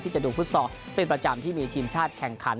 จะดูฟุตซอลเป็นประจำที่มีทีมชาติแข่งขัน